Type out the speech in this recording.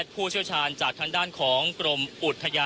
คุณทัศนาควดทองเลยค่ะ